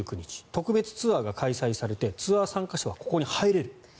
特別ツアーが開催されてツアー参加者はここに入れる。